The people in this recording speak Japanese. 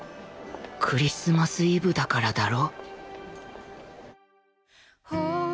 クリスマスイブだからだろ！